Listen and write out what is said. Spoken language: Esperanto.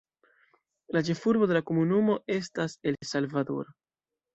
La ĉefurbo de la komunumo estas El Salvador.